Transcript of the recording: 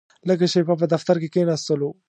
لږه شېبه په دفتر کې کښېناستلو.